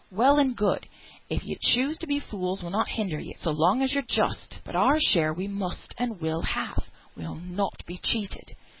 Well and good, if yo choose to be fools we'll not hinder you, so long as you're just; but our share we must and will have; we'll not be cheated.